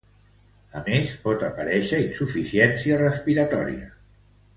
A més, pot aparéixer insuficiència respiratòria.